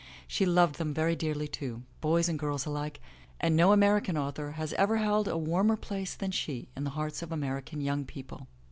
She loved them very dearly, too, boys and girls alike, and no American author has ever held a warmer place than she in the hearts of American young people.